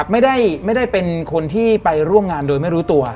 ไม่ได้เป็นคนที่ไปร่วมงานโดยไม่รู้ตัว